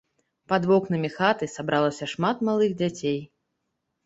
Пад вокнамі хаты сабралася шмат малых дзяцей.